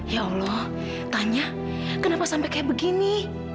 ya allah tanya kenapa sampai kayak begini